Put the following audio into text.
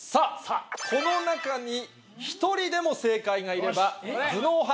この中に１人でも正解がいれば頭脳派